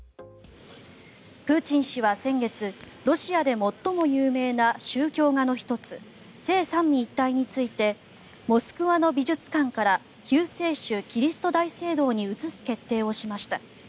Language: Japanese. プーチン氏は先月ロシアで最も有名な宗教画の１つ「聖三位一体」についてモスクワの美術館から救世主キリスト大聖堂に移す決定をしました。